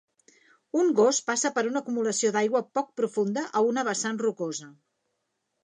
Un gos passa per una acumulació d"aigua poc profunda a una vessant rocosa.